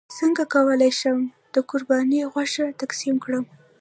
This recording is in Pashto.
څنګه کولی شم د قرباني غوښه تقسیم کړم